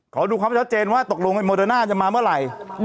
ขอดูความชัดเจนว่าตกลงไอโมเดอร์น่าจะมาเมื่อไหร่